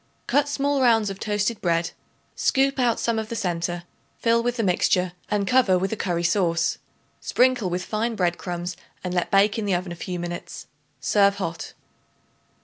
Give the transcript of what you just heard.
Cut small rounds of toasted bread; scoop out some of the centre; fill with the mixture and cover with a curry sauce. Sprinkle with fine bread crumbs and let bake in the oven a few minutes. Serve hot.